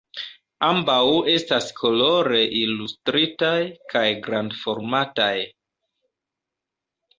Ambaŭ estas kolore ilustritaj kaj grandformataj.